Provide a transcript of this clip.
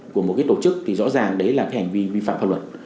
của một cái tổ chức thì rõ ràng đấy là cái hành vi vi phạm pháp luật